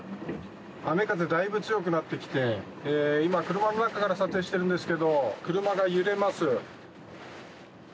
雨風、だいぶ強くなってきて今、車の中から撮影しているんですけど車が揺れます。